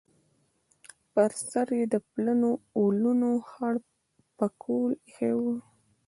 پر سر یې د پلنو ولونو خړ پکول ایښی و.